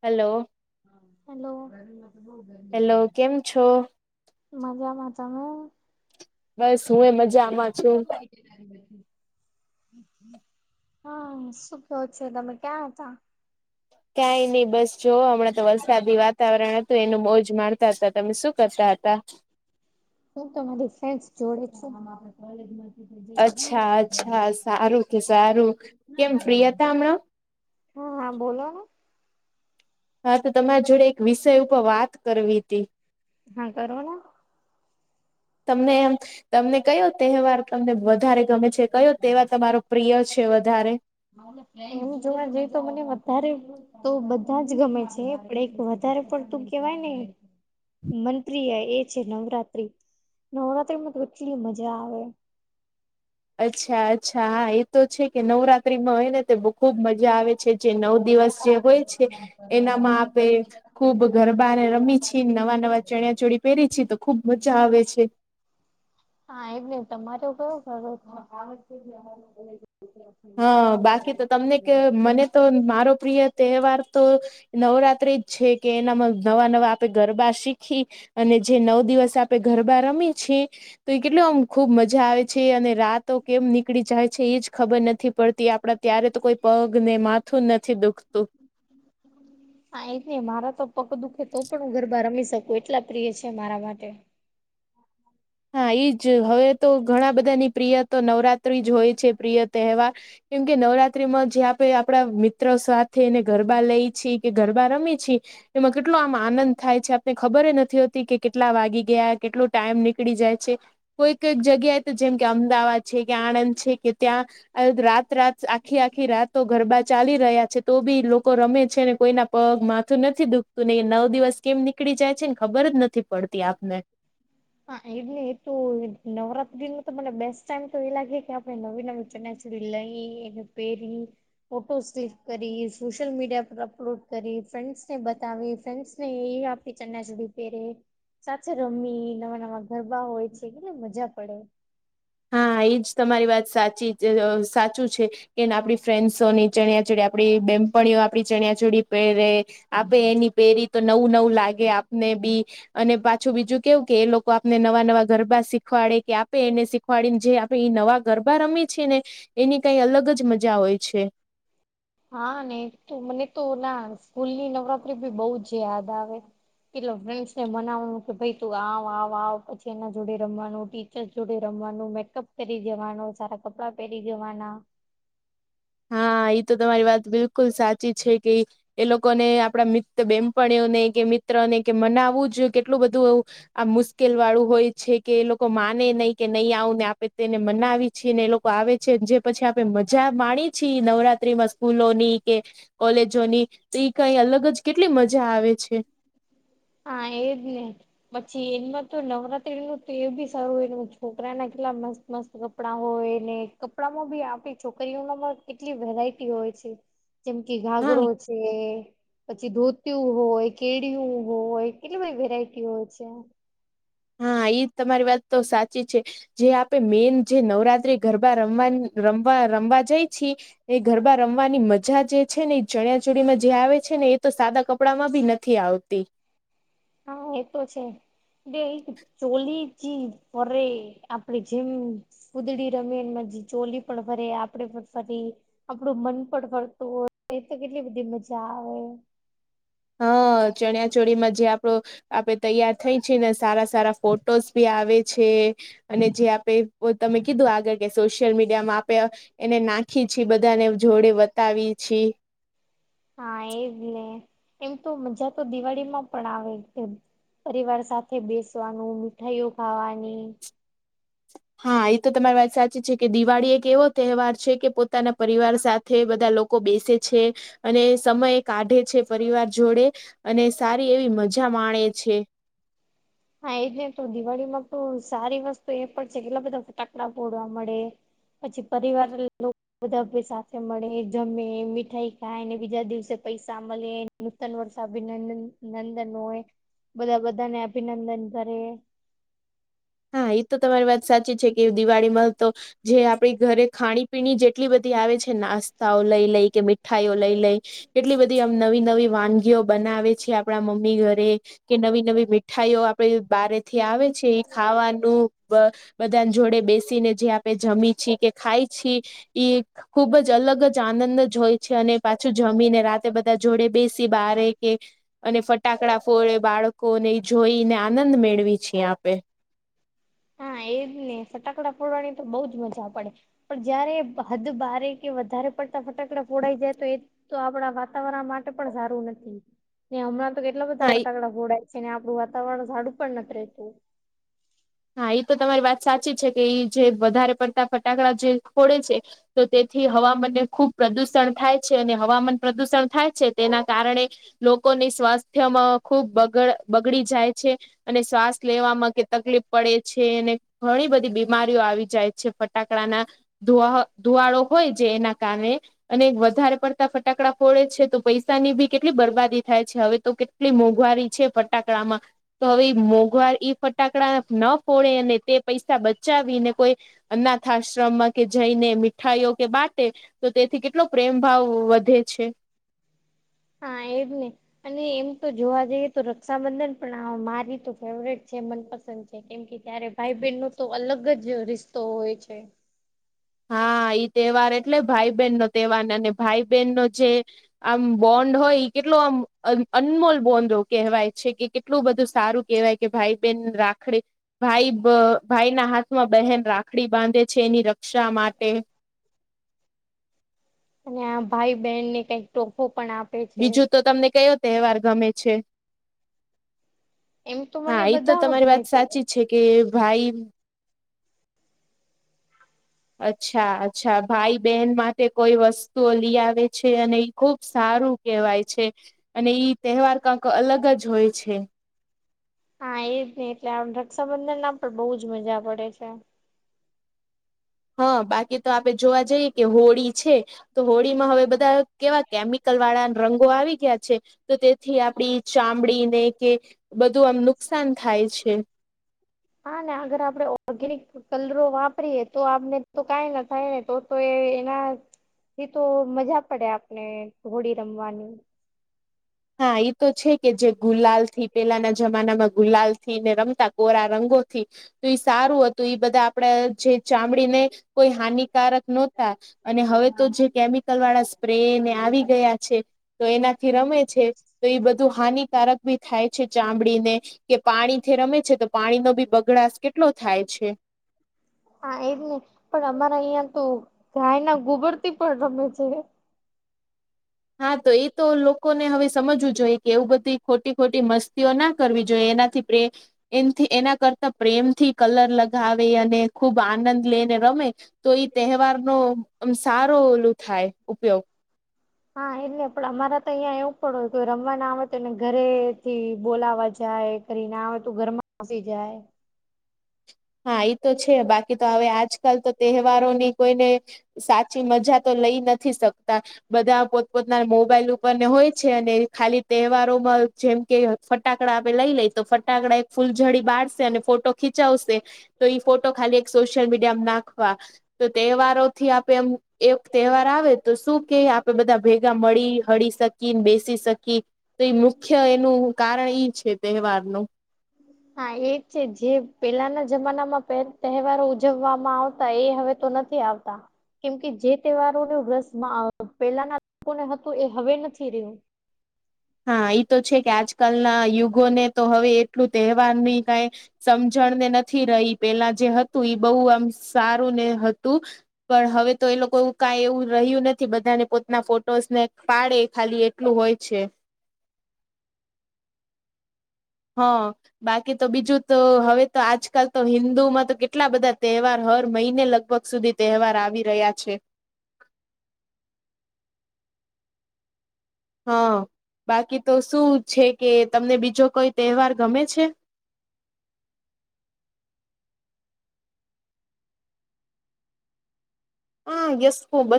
Hello. Hello. Hello, કેમ છો? મજામાં, તમે? બસ હું એ મજામાં છું. હા શું કયો છે તમે ક્યાં હતાં? ક્યાય નહીં બસ જોઓ હમણાં તો વરસાદી વાતાવરણ હતું એનું મોજ મારતાં હતાં તમે શું કરતાં હતાં? હું તો મારી ફ્રેન્ડસ જોડે છું. અચ્છા અચ્છા સારું તો સારું, કેમ ફ્રી હતા હમણાં? હા હા બોલોને. હા તો તમારી જોડે એક વિષય ઉપર વાત કરવી તી. હા કરોના. તમને એમ તમને કયો તહેવાર તમને વધારે ગમે છે? કે કયો તહેવાર તમારો પ્રિય છે વધારે? એમ જોવા જઈ તો મને વધારે તો બધાં જ ગમે છે પણ એક વધારે પડતું કેવાય ને મનપિય એ છે નવરાત્રી, નવરાત્રીમાં તો કેટલી મજા આવે. અચ્છા અચ્છા હા એ તો છે કે નવરાત્રીમાં હોય ને ખૂબ મજા આવે છે. જે નવ દિવસ જે હોય છે એનામાં આપે ખુબ ગર બારે રમી છી, નવાં-નવાં ચણિયા ચોળી પહેરી છી તો ખૂબ મજા આવે છે. હા એમ નઈ તમારો કયો ફેવરિટ છે? હા બાકી તો તમને કે મને તો મારો પ્રિય તહેવાર તો નવરાત્રી જ છે કે એનામાં નવાં-નવાં આપે ગરબા શીખી અને જે નવ દિવસ આપણે ગરબા રમીએ છી. તો એ કેટલો આમ ખૂબ મજા આવે છે અને રાતો કેમ નીકળી જાય છે એજ ખબર નથ થી પડતી આપડા ત્યારે તો કોઈ પગને માથું નથી દુખતું. હા એજ ને મારા તો પગ દુખે તો પણ હું ગરબા રમી શકું એટલા પ્રિય છે મારા માટે. હા એઈ જ હવે તો ઘણા બધાની પ્રિય તો નવરાત્રી જ હોય છે, પ્રિય તહેવાર. કેમકે નવરાત્રીમાં જે આપણે આપણા મિત્રો સાથેને ગરબા લઈ છીએ કે ગરબા રમી છીએ. એમાં કેટલો આમ આનંદ થાય છે, આપને ખબર નથી હોતી કે કેટલા વાગી ગયા કેટલોું ટાઈમ નીક નીકળી જાય છે, કોઈ કઈક જગ્યાએ તો જેમ કે અમદાવાદ છે, કે આણંદ છે કે ત્યાં. આ રાત રાત આખી આખી રાતો ગરબા ચાલી રહ્યા છે, તો બી લોકો રમે છે, ને કોઈના. પગ માથું નથી દુખતું ને નવ દિવસ કેમ નીકળી જાય છે, ને ખબર જ નથી પડતી આપને. હા એ જ ને એ તો નવરાત્રી ન તો મને બેસ્ટ ટાઈમ તો એ લાગે કે આપડણે નવી નવી ચણ [unintelligible] એના પેરી. ફોટો ક્લિક કરી સોશિયલ મીડિયા પર અપલોડ કરી ફ્રેન્ડ્સ ને બતાવી ફ્રેન્ડ્સ ને એ આપ [unintelligible] સુુધી પહેરે સાથે રમી નવા નવા ગરબા હોય છે, કેટલે મજા પડે. હા એજ તમારી વાત સાચી [unintelligible] સાચું છે. કેને આપણી ફ્રેન્ડસોની ચણિયાચડી આપડી બેમ્પણીઓ આપણી ચણિયાચોડી પહેરે. આપે એની પેરી તો નવું નવું લાગે આપને બી. અને પાછું બીજું કેવું કે એ લોકો આપને નવા નવા ગરબા શીખવાડે કે આપે [unintelligible] ખવાડીને જે આપણે એ નવા ગરબા [unintelligible] છીએ ને એની કઈ અલગ જ મજા હોય છે. હા ને તો મને તો ના સ્કૂલ ની નવરાત્રી ભી બઉ જ યાદ આવે. [unintelligible] ને મનાવવાનું કે ભાઈ તું આવ આવ આવ પછી એના જોડે રમવાનું ટી જોડ રમવાનું મેકઅપ કરી જવાનું સારા કપડાં પહેરી જવાના. હા એ તો તમારી વાત બિલકુલ સાચી છે, કે. એ લોકોને આપડા મિત્ર બેમપણીઓને કે મિત્રને કે મનાવું જ કેટલું બધું. આ મુશ્કેલ વાળું હોય છે, કે એ લોકો માને નહી કે નહી આવું ને આપે તેને મનાવી. છી ને એ લોકો આવે છે, જે પછી આપે મજા માણીએ છીએ નવરાત્રીમાં સ્કૂલોની કે. કોલેજોની તો એ કઈ અલગ જ કેટલી મજા આવે છે. હા [unintelligible] પછી એમાં તો નવરાત્રી નું તો બી સારું હોય છોકરા ના કેટલા મસ્ત મસ્ત. કપડા હોય ને કપડામાં બી આપણી છોકરીઓમાંમાં કેટલી વેરાયટી હોય છે. જેમ કે હા ઘાગરો છે પછી ધોતું હોય કેળયું. હોય કેટલી બધી વેરાયટીઓ છે. હા એ તમારી વાત તો સાચી છે. જે આપે મેન જે [unintelligible] ગરબા રમવા રમવા રમવા જાય છી. એ ગરબા રમવાની મજા જે છે, ને એ ચણિયા ચોળમાં જે આવે છે, ને એ તો સાદા કપડામાં ભી નથી. નથી થી આવતી. હા એ તો છે. [inaudible] કુદડી રમીન મજી ચોલી પણ ફરી આપણેે પણ ફરી. આપડું મન પણ ફરતું હોય એ તો કેટલી બધી મજા આવે. હા ચણિયા ચોળીમાં જે આપડો. આપડે તૈયાર થઈ [unintelligible] ને સારા સારા ફોટોસ ભી આવે છે. અને જે આપે તમે કીધું આગળ કે સોશિયલ મીડિયામાં આપે. એને નાખી છી બધાને જોડે બતાવી છી. હા એજ લે એમ તો મજા તો દિવાળી માં પણ આવે. પરિવાર સાથે બેસવાનું મીઠાઈઓ ખાવાની. હા એ તો તમારી વાત સાચી છે, કે દિવાળી એક એવો તહેવાર છે, કે પોતાના પરિવાર સાથે. તે બધા લોકો બેસે છે, અને સમય કાઢે છે, પરિવાર જોડે. અને સારી એવી મજા માણે છે. હા એજ ને તો દિવાળી માં તો સારી વસ્તુ એ પણ છે, કેટલા બધા ફટાકડા ફોડવા મળે. પછી પરિવાર બધા ભ સાથે મળે જમે મીઠાઈ ખાયને બીજા દિવસે પૈસા મળે. નૂતન વર્ષ અભિનંદન નંદન હોય બધા બધાને અભિનંદન કરે. હા એ તો તમારી વાત સાચી છે, કે દિવાળીમાં તો. જે આપડી ઘરે ખાણી-પીણી જેટલી બધી આવે છે, નાસ્તાઓ લઈ લઈ કે મીઠાઈઓ લઈ લઈએ. કેટલી બધી આમ નવી નવી વાનગીઓ બનાવે છે આપણા મમ્મી ઘરે. કે નવી નવી મીઠાઈઓ આપડે બારે થી આવે છે. ખાવાનું બધા જોડે બેસીને જે આપણે જમી છી કે ખાય છી. એક. ખુબ જ અલગ જ આનંદ જ હોય છે. અને પાછું જમીને રાતે બધા જોડે બેસી બારે કે અને ફટાકડા ફોડે, બાળકોને જોઈ ને આનંદ મેળવી છીએ આપે. હા, એજ ને! ફટાકડા ફોડવાની તો બઉુ જ મજા પડે. પણ જયારે હદ બારે કે વધારે પડતા ફટાકડા ફોડાય જાય, તો એ તો આપણા વાતાવરણ માટે પણ સારું નથી ને, હમણાં. તો કેટલા બધા હા ફટાકડા ફોડાય છે ને, આપણું વાતાવરણ સડું પણ નથી રહેતું. હા, એ તો તમારી વાત સાચી છે કે, એ જે વધારે પડતા ફટાકડા જે ફોડે છે. તો તેથી હવામાનને ખુબ પ્રદુષણ થાય છે, અને હવામાન પ્રદુષણ થાય છે તેના કારણે લોકોની સ્વાસ્થ્યમાં ખુબ બગડી બગડી જાય છે. અને શ્વાસ લેવામાં કે તકલીફ પડે છે, અને ઘણી બધી બીમારીઓ આવી જાય છે ફટાકડાના. ધ ધુવાડો હોય જે એના કારણે અને વધારે પડતા ફટાકડા ફોડે છે, તો પૈસાની બી કેટલી બરબાદી થાય છે, હવે તો કે કેટલી મોંઘવારી છે ફટાકડા માં, તો હવે મોંઘવારી, ફટાકડા ન ફોડે, અને તે પૈસા બચાવીને કોઈ અનાથ આશ્રમમાં કે જઈને, મીઠાઈઓ કે બા તો તેથી કેટલો પ્રેમ ભાવ વધે છે. હા, એ જ ને અને એમ તો જોવા જઈએ તો, રક્ષાબંધન પણ મારી તો ફેવરેટ છે, મનપસંદ. કેમ કે, ત્યારે ભાઈ-બહેન નો તો અલગ જ રિસ્તો હોય છે. હા, ઈ તહેવાર એટલે ભાઈ-બહેન નો તહેવાર, અને ભાઈ- બહેન નો જે આમ બોન્ડ હોય, એ કેટલો આમ અનમોલ બોન્ડ કહેવાય છે કે એટલું બધું સારું કેહેવાય કે, ભાઈ-બેહેન રાખડી ભાઈ, ભાઈના હાથમાં બહેન રાખડી બાંધે છે, એની રક્ષા માટે અને આ ભાઈ, બહેનને કઈક ટોફો પણ આપે. છે બીજું તો તમને કયો તહેવાર ગમે છે? એમ મને હા, એ તો બધા તમારી ગમે વાત સાચી છે કે, ભાઈ અચ્છા, અચ્છા. ભાઈ-બહેન માટે કોઈ વસ્તુઓ લઈ આવે છે, અને એ‌ ઈ ખુબ સારું કહેવાય છે, અને ઈ તહેવાર કંઈક અલગ જ હોય છે. હા, એજ નહીં. એટલે આ રક્ષાબંધન ના પણ બહુ જ મજા પડે છે. હા, બાકી તો આપે જોવા જઈએ કે હોળી છે. તો હોળીમાં હવે બધા કેવા કેમિકલ વાળા રંગો આવી ગયા છે, તો તે થી આપડી ચામડીને કે બધું આમ નુકસાન થાય છે. હા ને, અગર આપડે ઓર્ગેનિક કલરો વાપરીએ, તો આપને તો કઈ ના થાય ને, તો તો એ એનાથી તો મજા પડે, આપણે હોળી રમવાની. હા, એ તો છે કે જે ગુલાલ થી, પેલાના જમાનામાં ગુલાલ થી ને રમતા, કોરા રંગોથી, તો ઈ સારું હતું. ઈ બધા આપડ જે ચામડીને કોઈ હાનિકારક નહોતા. અને હવે તો જે કેમિકલ વાળા સ્પ્રે ને આવી ગયા છે, તો એનાથી રમે. છે, તો એ બધું હાનિકારક ભી થાય છે ચામડી ને કે પાણીથી રમે છે, તો પાણી નો બી બગડાસ કેટલો થાય છે. હા, એજ ને. પણ અમારા અહિયાં તો ગાય ના ગોબરથી પણ રમે છે. હા, તો એ તો લોકોને હવે સમજવું જોઈએ કે એવું બધી ખોટી-ખોટી મસ્તીઓ ના કરવી જોઈએ. એનાથી પ. [unintelligible] એથી એના કરતા પ્રેમ થી કલર લગાવે અને ખૂબ આનંદ લઈને રમે. તો ઈ તહેવાર નો સારો ઓલું થાય ઉપયોગ. હા એટલે પણ અમારા તો અહીંયા એવું પણ હોય રમવાના આવે તો એને ઘરેથી બોલાવા જાય. કરી ના હોય તો ઘર માં [inaudible] જાય. હા એઈ તો છે બાકી તો હવે આજકાલ તો તહેવારો ની કોઈને. સાચી મજા તો લઈ નથી શકતા. બધા પોતપોતના મોબાઈલ ઉપરને હોય છે અને ખાલી તહેવારોમાં જેમ કે. ફટાકડા આપે લઈ લઈ તો ફટાકડા એક ફૂલઝડી બાારશે અને ફોટો ખીચાવશે. તો ફોટો ખાલી એક સોશિયલ મીડિયામાં નાખવા તો તહેવારો. થી આપે એમ એક તહેવાર આવે તો શું કે આપે બધા ભેગા મળી હળી શકી બેસી શકી તો એ મુખ્ય એનું કારણ ઈ છે તહેવાર નું હા એ છે જે પેલાના જમાનામાં તહેવારો ઉજવવામાં આવતા એ હવે તો નથી. નથી આવતા. કેમ કે જે તહેવારોને રસમાં પહેલાના લોકોને હતું એ હવે નથી રહ્યું. હા એ તો છે કે આજકાલના યુગોને તો હવે એટલું તહેવાર ની કંઈ. સમજણ ને નથી રહી પેલા જે હતું એ બહુ આમ સારું ને હતું પણ હવે તો એ લોકો એવું કઈ એવું રહ્યું નથી બધાને પોતાના ફોટોસ ને પાડે ખાલી એટલું હોય છે. હા. બાકી તો બીજું તો હવે તો આજકાલ તો હિન્દુમાં તો કેટલા બધા તહેવાર હર મહિને લગભગ સુધી તહેવાર આવી રહ્યા છે. હા બાકી તો શું છે કે તમને બીજો કોઈ તહેવાર ગમે છે? હા [unintelligible]